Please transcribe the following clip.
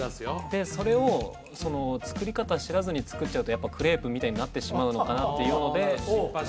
でそれをその作り方知らずに作っちゃうとやっぱクレープみたいになってしまうのかなっていうので